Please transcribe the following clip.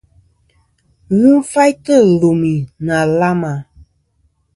Ghɨ faytɨ lùmì nɨ̀ àlamà.